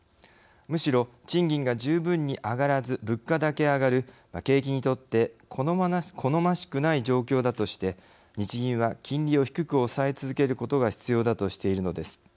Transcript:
むしろ、賃金が十分に上がらず物価だけ上がる、景気にとって好ましくない状況だとして日銀は金利を低く抑え続けることが必要だとしているのです。